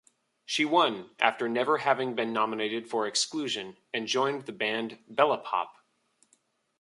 She won, after never having been nominated for exclusion, and joined the band Bellepop.